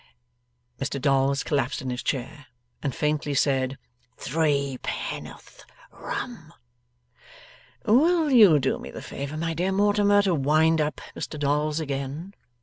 Mr Dolls collapsed in his chair, and faintly said 'Threepenn'orth Rum.' 'Will you do me the favour, my dear Mortimer, to wind up Mr Dolls again?